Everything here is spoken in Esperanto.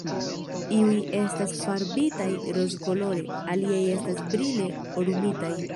Iuj estas farbitaj rozkolore, aliaj estas brile orumitaj.